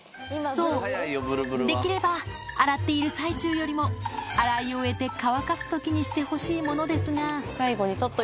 そう、できれば洗っている最中よりも、洗い終えて乾かすときにしてほしいものですが。